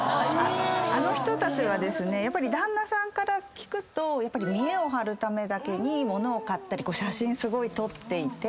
あの人たちは旦那さんから聞くとやっぱり見えを張るためだけに物を買ったり写真すごい撮っていて。